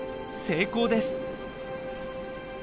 成功です。